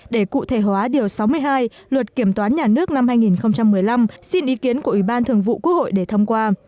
để cụ thể hóa điều sáu mươi hai luật kiểm toán nhà nước năm hai nghìn một mươi năm xin ý kiến của ủy ban thường vụ quốc hội để thông qua